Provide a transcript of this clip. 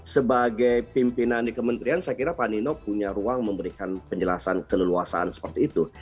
sebagai pimpinan di kementerian saya kira pak nino punya ruang memberikan penjelasan keleluasaan seperti itu